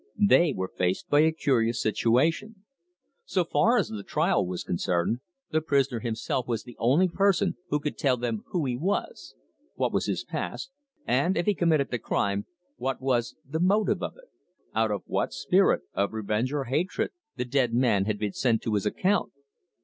They were faced by a curious situation. So far as the trial was concerned, the prisoner himself was the only person who could tell them who he was, what was his past, and, if he committed the crime, what was the motive of it: out of what spirit of revenge, or hatred the dead man had been sent to his account.